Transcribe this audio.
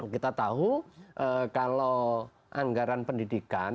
kita tahu kalau anggaran pendidikan